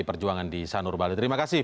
perjuangan di sanur bali terimakasih